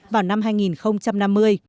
vào năm hai nghìn năm mươi